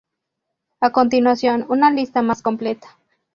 A continuación una lista más completa.